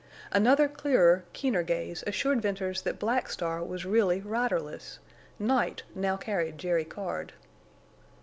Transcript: Another clearer, keener gaze assured Venters that Black Star was really riderless. Night now carried Jerry Card.